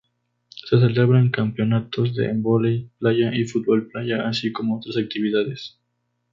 Se celebran campeonatos de voley-playa y fútbol playa, así como otras actividades.